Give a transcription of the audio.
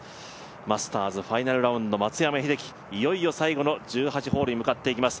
マスターズファイナルラウンド松山英樹、いよいよ最後の１８ホールに向かっていきます。